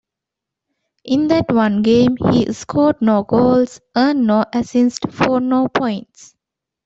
In that one game he scored no goals, earned no assists for no points.